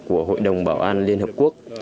của hội đồng bảo an liên hợp quốc